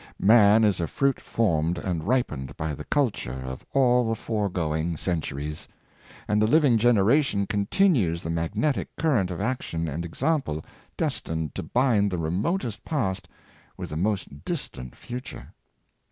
Man is a fruit formed and ripened by the culture of all the foregoing centuries; and the living generation continues the magnetic current of action and example destined to bind the remotest past with the most distant future.